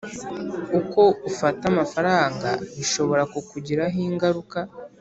uko ufata amafaranga bishobora kukugiraho ingaruka.